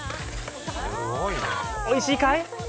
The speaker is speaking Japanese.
おいしいかい？